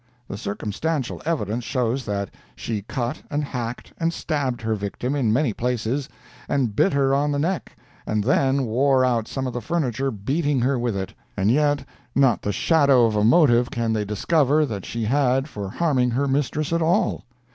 The circumstantial evidence shows that she cut and hacked and stabbed her victim in many places, and bit her on the neck, and then wore out some of the furniture beating her with it. And yet, not the shadow of a motive can they discover that she had for harming her mistress at all!